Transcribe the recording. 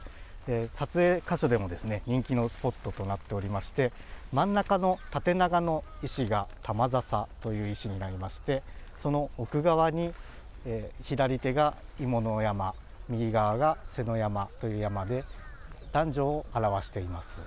撮影場所でも人気のスポットとなっておりまして真ん中の縦長の石が玉笹という石になりましてその奥側に左手が妹山右側が背山という山で男女を表しています。